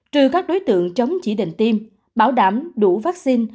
trừ các đối tượng chống chỉ định tiêm bảo đảm đủ vaccine